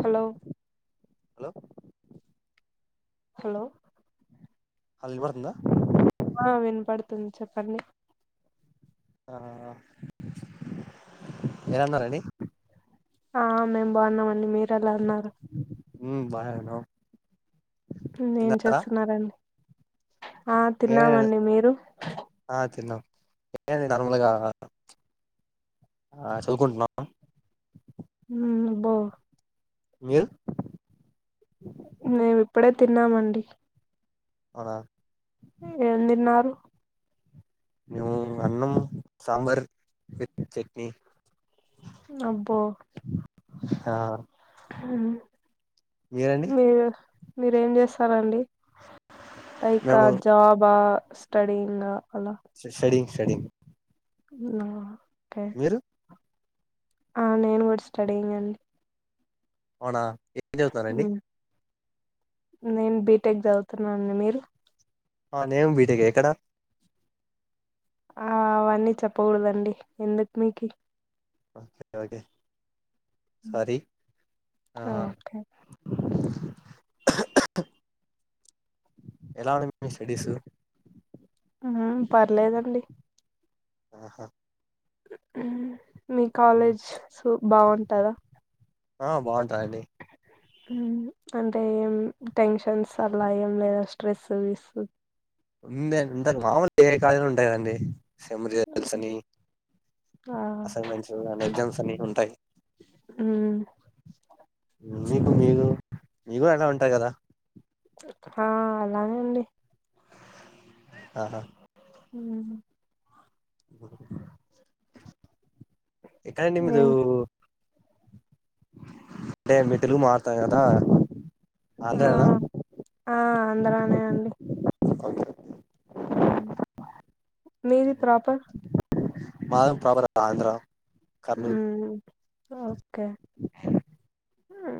Hello hello hello అ వినపడుతుందా ఆ వినపడుతుంది చెప్పండి ఆ ఏరున్నారండి ఆ మేము బాగున్నామండి మీరు ఎలా ఉ న్నారు మ్మ్ బానే ఉన్నం ఏం చేస్తున్నారండి ఆ ఏ తిన్నామండి మీరు ఆ తిన్నాం ఏ నార్మల్గా ఆ చదువుకుంటున్నాం అబ్బో మీల్ మేము ఇప్పుడే తిన్నామండి అ ఏం తిన్నారు నువు అన్నం సాంబార్ విత్ చట్నీ అబ్బో ఆ మీరండి మీరు మీరేం చేస్తారండి లైక మేము జాబా స్టడీంగ సడింగ్ సడింగ్ ఆ మీరు ఆ నేను కూడా స్టడీంగ్ అండి అవునా ఏం చదువుతారండి మ్, నేను బీటెక్ చదువుతున్న అండీ మీరు ఆ నేమ్ బీటెక్ ఏ ఎక్కడ ఆ అవన్నీ చెప్పకూడదండి ఎందుకు మీకి ఓకే ఓకే సారీ ఆ ఓకే ఎలా ఉంది మీ స్టడీస్ ఆ పర్లేదండి ఆహా మీ కాలేజ్స్ బాగుంటద ఆ బాగుంటాయండి అంటే ఏం టెన్షన్స్ అల ఏం లేవ స్ట్రెసు [unintelligible] [inaudible] ఆ అసైన్మెంట్స్ అ ఎగ్జామ్స్ అని ఉంటాయి హు మీకు మీగు మీగు అల ఉంటాయి కదా ఆ అలనే అండి ఆహా హు బ [unintelligible] ఎక్కడ ఆండీ మీరు నేను అంటే మీరు తెలుగు మాట్లాడుతునారు కదా ఆ ఆంధ్ర న ఆ ఆంధ్రానే అండి గ మీది ప్రాపర్ మాది ప్రాపర్ ఆంధ్ర కర్నూల్ మ్మ్ ఓకే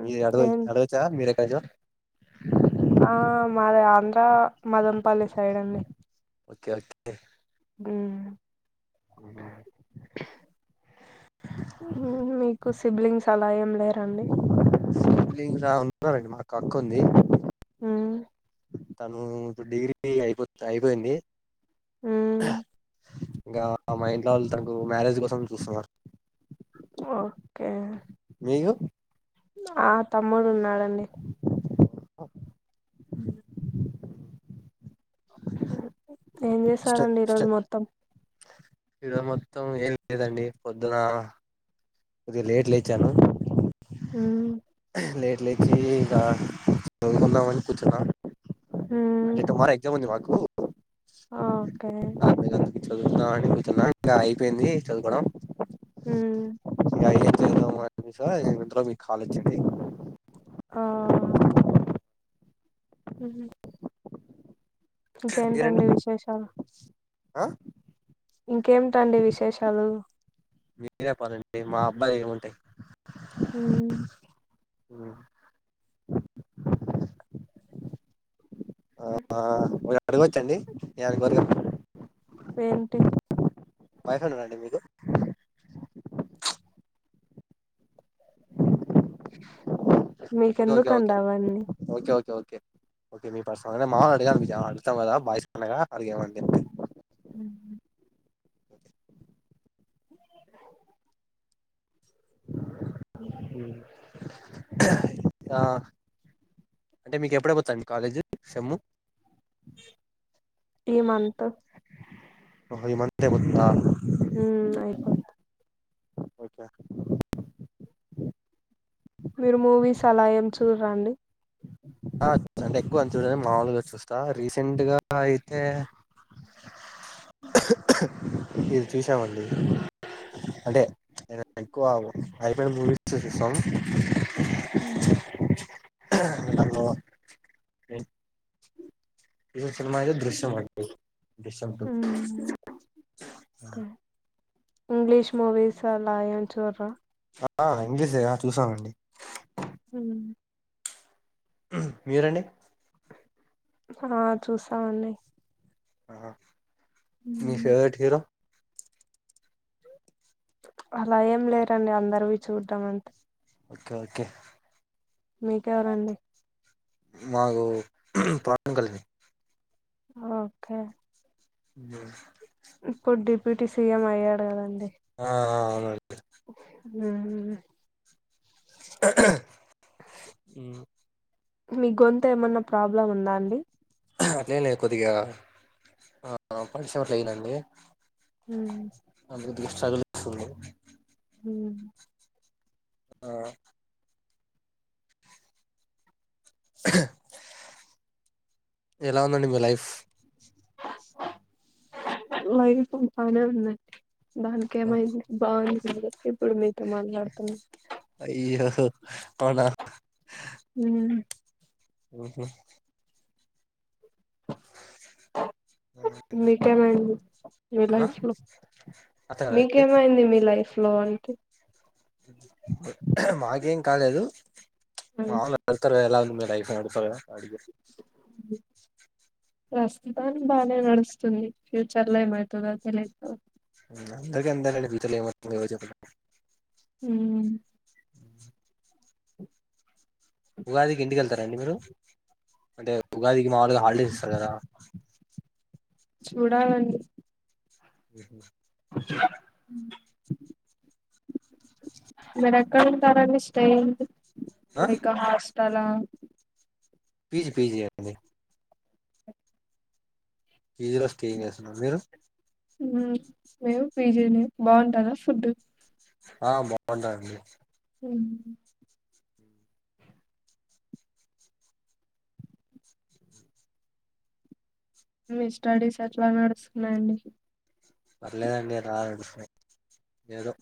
మీరు హడ ఏం హడవచ్చ మీరు ఎక్కడ ఆ మాది ఆంధ్ర మదనపల్లి సైడ్ అండి ఒకే ఒకే హు మ్మ్. ఆ మీకు సిబ్లింగ్స్ అలా ఏం లేరండి సిబ్లింగ్స్ ఆ ఉన్నారండి మాకు అక్క ఉంది హు తను ఇప్పుడు డిగ్రీ అయిపో అయిపోయింది హు ఇంక మా ఇంట్లో వాళ్ళు తనకు మ్యారేజ్ కోసం చూస్తున్నారు ఒకే మీకు ఆ తమ్ముడు ఉన్నాడండి అ ఏం చేసారండి ఈరోజు మొత్తం ఈ రోజు మొత్తం ఏం లేదండి పొద్దున కొద్దిగ లేట్ లేచను మ్మ్ లేట్ లేచి ఇంకా చవుకుందామని కూర్చున్నా అంటే టుమారో ఎగ్జామ్ ఉంది మాకు ఆ ఒకే చదువుతున్నాతున్నా అయిపోయింది చదుకోవడం మ్మ్ [unintelligible] [unintelligible] మీకు కాల్ ఒచ్చింది ఆ హు మీరండి ఇంకేంటండి విశేషాలు ఆ ఇంకేమిటండి విశేషాలు మీరే చెప్పాలండి మా అబ్బాయి ఏముంటాయి హు హు ఆ అడగొచ్చండి [unintelligible] పెయింటింగ్ బైక్ ఉన్నదాండి మీకు ఓకే ఓకే మీకెందుకండి అవన్నీ ఓకే ఓకే ఓకే మీ పర్సనల్ అ మామలు అడిగాను అాం కదా బాయస్ కన్నా అడిగమండి ఉ అ ఆ అంటే మీకు ఎప్పుడ పోతాను కాలేజీ సేమ్ము ఈమంతు హోహో ఎ మంత్ అయిపోతాడా హ ఆయిపో ఓకే మీరు మూవీస్ అలా ఎం చూడారండి ఆ అంటే ఎక్కువ అని చూడ మాముూలుగా చూస్తా రీసెంట్ గా అయితే ఇది చూసామండి అంటే ఎక్కువ అయిపోయిన మూవీసాం హ ఇ సినిమా ఐతే దృశ్యం దృశ్యం టూ హ్మ్ [unintelligible] ఇంగ్లీష్ మూవిస్ అలా ఏ చూడరా ఆ ఇంగ్లీషుగా చూసామండి హ మీరండి ఆ చూసామండి హ మీ ఫేవరెట్ హీరో అలా ఏం లేరండి అందరువి చూడ్డం అంతే ఓకే ఓకే మీకెవరండి మాకు [unintelligible] కలిని హ ఓకే అ ఇప్పుడు డిప్యూటీ సీఎం అయ్యాడు కదండి ఆ ఆ అవునండి హ్మ్ ఉ మీ గొంత ఏమన్నా ప్రాబ్లం ఉందా అండి అది లేదు కొద్దిగా ఆ పటిసయం అట్లానండి హ మీ చదువు ఎట్టల ఉంది ఉ ఆ ఎలా ఉందండి మీ లైఫ్ లైఫ్ ఉ పేర్లేదులెండి దానికిమైంది బాగుంటుంది ఇప్పుడు మీకు అయి్యో అవున్న హ్మ్ హ్మ్ హ్మ్ మీకీమాయేది మీ ఆ లైఫ్ లో అట్లా కాదండి మీకేమైంది మీ లైఫ్ లో అంటి మాకేం కాలేదు మావులుగా వెళ్తారు ఎలా మీ డైఫై అడతవు గదా అడిగే ఉ ప్రస్తుతానికి బానే నడుస్తుంది. ఫ్యూచర్ లో ఏమయితదో తెలిదు. అందరికి అంతేలండి ఫ్యూచర్ లో ఏమవుతుంది ఎవరం చెప్పలేం ఉమ్ ఉగాదికి ఇంటికి వెళ్తారండి. మీరు అంటే ఉగాదికి మాములుగా హాలిడేస్ ఇస్తారు కదా. చూడాలండి. ఊ హు మీరు ఎక్కడ ఉంటారండి స్టేయిన్ ఆ లైక్ హాస్టలా పి జి పి జి అండి. పి జీ లో స్టే చేస్తున్నాను మీరు మేము పి జి నే బాగుంటదా ఫుడ్ ఆ బాగుంటాదండి. హ్మ్ మీ స్టడీస్ ఏట్లా నడుస్తున్నాయండి. పర్లేదండి రాదు ఏదో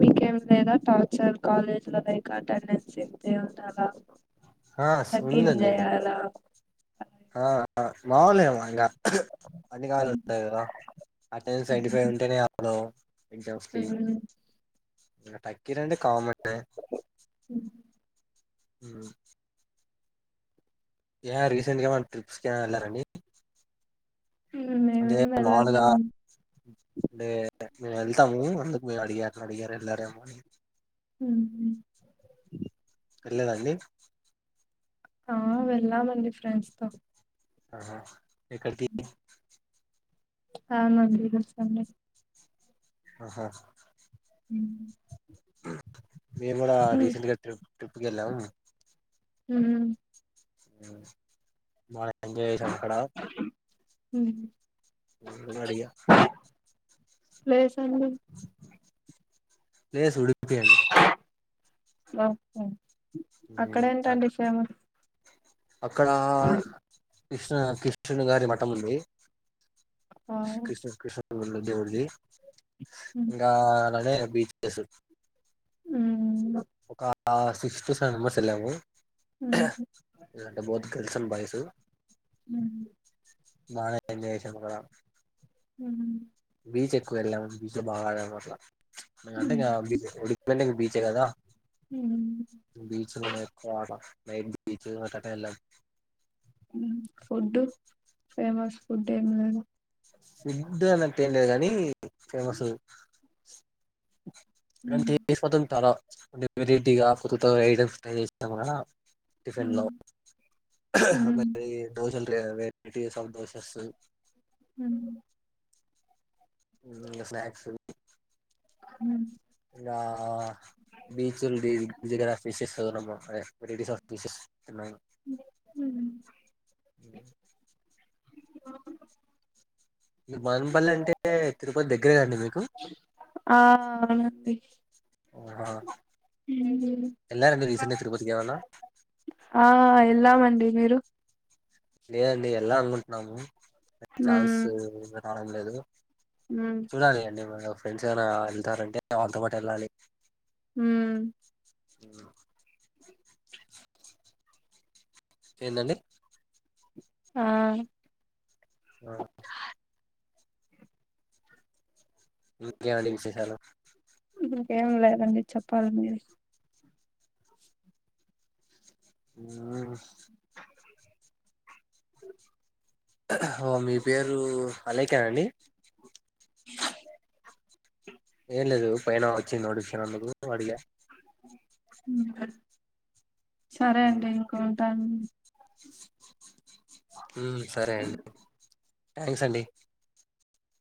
మీకేం లేదా టార్చర్ కాలేజ్ లో లైక్ అటెండెన్స్ ఇంతే ఉండాలా? ఆ ఉందండి తగ్గింజేయాల ఆ ఆ మాములే వ్ ఇంగ అన్ని కాల ఉంటాయి కదా అటెండెన్స్ నైన్టీ ఫైవ్ ఉంటేనే అప్పుడు పింటం తీమ్ హ్మ్. తగ్గిర్ అంటే కామనే హ్మ్ యా రీసెంట్ గా మన ట్రిప్స్కి ఆ ఏళ్ళలారండి. అంటే మేమేం మాములుగా వెళ్ళలేదండి. అంటే మేము వెళ్తాము. అందుకు మే అడిగాను. అడిగారు ఎల్లరేమోని ఉహుం వెళ్ళేదండి. ఆ వెళ్ళామండి ఫ్రెండ్స్ తో ఆహా ఎక్కడికి ఆ మీ రిదల్సాన్ని ఆహా మ్ మేము కూడా రీసెంట్గా ట్రిప్ ట్రిప్కి ఏళ్ళాము. ఉమ్ ఆ మా ఎంజాయెసాం అక్కడ మ్ అడిగా ప్లేస్ అండి లేస్ ఉడిప్పి అండి ఓకే అక్కడ ఉమ్, అ- ఏంటండి సేమ్ అక్కడ కృష్ణ క్రిష్టు న్ గారి మఠం ఉంది. హ్మ్. కృష్ణ కృష్ణ [unintelligible] దేవుడిది ఇంకా అనే బీచెస్ ఒక సిక్స్ టు సెవెన్ మెంబర్స్ ఎళ్ళాము. హుహు. బొత్ గల్స్ అండ్ బాయ్సు బాగా ఎంజాయ్ జేషము కదా హ్మ్ బీచ్ ఎక్కువ వెళ్ళాము బీచ్ లో బాగా ఆడం అట్లా అంటే ఇంగా బీచ్ బి లంటే బీచే కదా హ్మ్ బీచ్ లోనే ఎక్కువ ఆట నైట్ బీచ్ అట్ అటే ఏళ్ళలి. ఫుడ్ ఫేమస్ ఫుడ్ ఏం లేదు ఫుడ్ అన్నట్టు ఏం లేదు కానీ ఫేమస్ [unintelligible] కొన్ని వెరైటీగా కొత్తగ ఐటమ్స్య చేస్తాం కదా టిఫిన్లా అది దోశలు ఈడ వెట్టి సంతోష్ వస్తది ఉ ఇంగ స్నాక్స్ ఆ ఆ బీచులు ది జిరాఫిసేస్ అదే రస్ ఆఫ్ బీచెస్ న్నా ఆ మానపల్లి అంటే తిరుపతి దగ్గరే అండి మీకు అండి ఉ ఎల్లారా మీరు రీసెంట్ తరుపతికి ఏవన్నా వెళ్లామండి మీరు లేదండి వెళ్ళ అనుకుంటున్నాము ఛాన్స్ మ్మ్, రావడం లేదు మ్మ్, చూడాలి అండి మా ఫ్రెండ్స్ ఏనా వెళ్తారంటే వాళ్ళతో పాటు వెళ్ళాలి ఉ అ ఏందండి ఆ ఉ ఇంకే అండి విశేషాలు ఇంకేం లేదండి చెప్పాలి మీరు ఊ మీ పేరు అలేఖ అండి ఏం లేదు పైన నోటిఫికేషన్ అందుకు అడిగా సరే మ్మ్. అండి ఇంక ఉంటాను ఉ సరే అండి థ్యాంక్స్ అండి